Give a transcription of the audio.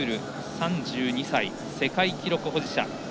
３２歳、世界記録保持者。